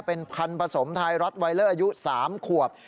เป็นพันธุ์ผสมไทยรัฐไวเลอร์อายุ๓ขวบ